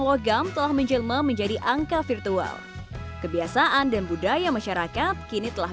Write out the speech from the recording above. logam telah menjelma menjadi angka virtual kebiasaan dan budaya masyarakat kini telah